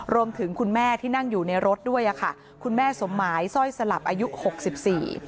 คุณแม่ที่นั่งอยู่ในรถด้วยอ่ะค่ะคุณแม่สมหมายสร้อยสลับอายุหกสิบสี่